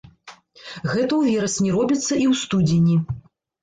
Гэта ў верасні робіцца і ў студзені.